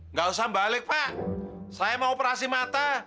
nggak usah balik pak saya mau operasi mata